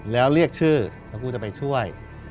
แล้วเรียกชื่อแล้วกูจะไปช่วย